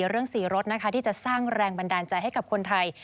เรื่องสีรถนะคะที่จะสร้างแรงบันดาลใจให้กับคนไทย